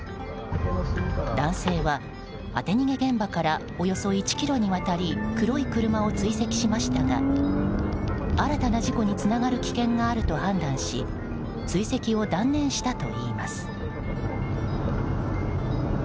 男性は、当て逃げ現場からおよそ１ｋｍにわたり黒い車を追跡しましたが新たな事故につながる危険があると判断し追跡を断念したといいます。